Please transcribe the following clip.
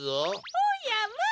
おやまあ！